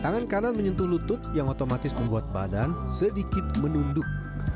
tangan kanan menyentuh lutut yang otomatis membuat badan sedikit menunduk